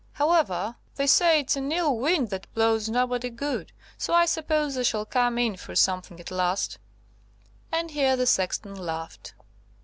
However, they say it's an ill wind that blows nobody good, so I suppose I shall come in for something at last," and here the sexton laughed.